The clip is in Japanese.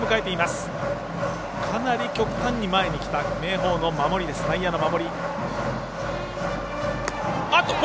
かなり極端に前に来た明豊の内野の守り。